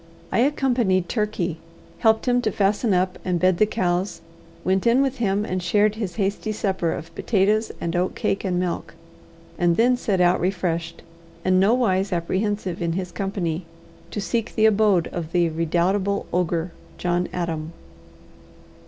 I accompanied Turkey, helped him to fasten up and bed the cows, went in with him and shared his hasty supper of potatoes and oatcake and milk, and then set out refreshed, and nowise apprehensive in his company, to seek the abode of the redoubtable ogre, John Adam.